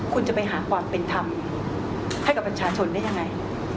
คุณจะไปหาความเป็นธรรมให้กับประชาชนได้ยังไง